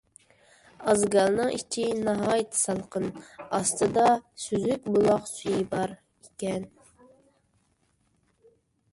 ئازگالنىڭ ئىچى ناھايىتى سالقىن، ئاستىدا سۈزۈك بۇلاق سۈيى بار ئىكەن.